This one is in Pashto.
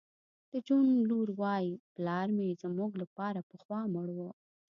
د جون لور وایی پلار مې زموږ لپاره پخوا مړ و